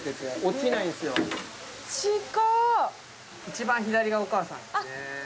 一番左がお母さんですね。